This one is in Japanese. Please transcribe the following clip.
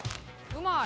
うまい。